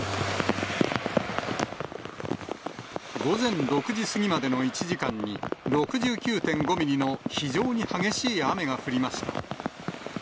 午前６時過ぎまでの１時間に、６９．５ミリの非常に激しい雨が降りました。